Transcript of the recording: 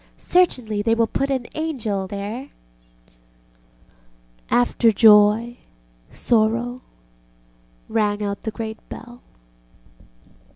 Certainly they will put an angel there. ŌĆØ ŌĆ£After joy ... sorrow, ŌĆØ rang out the great bell.